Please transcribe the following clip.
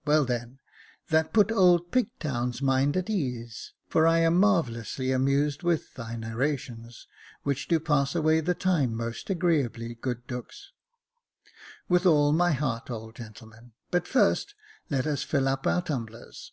" Well, then — that put old Pigtown's mind at ease — for I am marvellously amused with thy narrations, which do pass away the time most agreeably, good Dux." " With all my heart, old gentleman; but first let us fill up our tumblers.